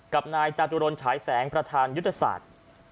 กับนายจาตุรนฉายแสงประธานยุทธศาสตร์